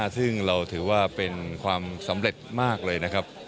ซึ่งเราถือว่าเป็นความสำเร็จมากเลยนะครับ